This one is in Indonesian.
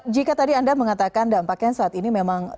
jika tadi anda mengatakan dampaknya saat ini memang